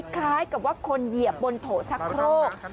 คล้ายกับว่าคนเหยียบบนโถชักโครก